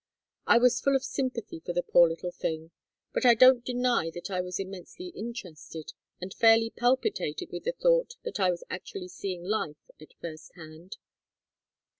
I was full of sympathy for the poor little thing, but I don't deny that I was immensely interested, and fairly palpitated with the thought that I was actually seeing life at first hand.